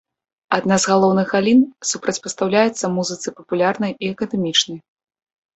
Адна з галоўных галін, супрацьпастаўляецца музыцы папулярнай і акадэмічнай.